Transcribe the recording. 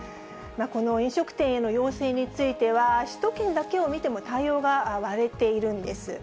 この飲食店への要請については、首都圏だけを見ても、対応が割れているんです。